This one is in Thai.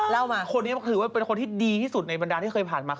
เล่ามาคนนี้มันคือคนดีที่สุดในบรรดาที่ผ่านมา